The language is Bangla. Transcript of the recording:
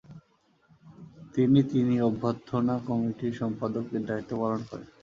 তিনি তিনি অভ্যর্থনা কমিটির সম্পাদকের দায়িত্ব পালন করেন।